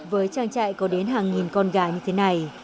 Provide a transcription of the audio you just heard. với trang trại có đến hàng nghìn con gà như thế này